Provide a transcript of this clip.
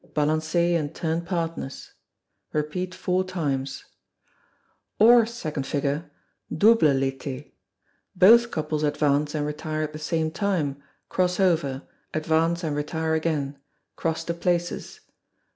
Balancez and turn partners. (Four times.) Or Double L'Été. Both couples advance and retire at the same time; cross over; advance and retire again; cross to places.